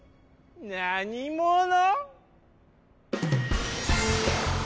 なにもの？